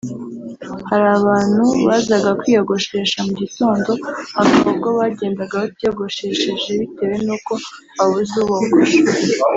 hari abantu bazaga kwiyogoshesha mu gitondo hakaba ubwo bagenda batiyogoshesheje bitewe n’uko babuze ubogosha